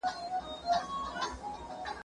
زه به اوږده موده مېوې وچولي وم!؟